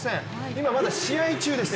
今まだ試合中です。